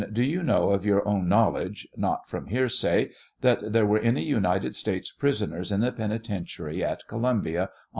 Do you know of your own knowledge — not from hearsay — that there were any United States prisoners in the penitentiary at Columbia on.